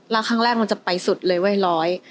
แล้วครั้งแรกมันจะไปสุดเลยเว้ยร้อย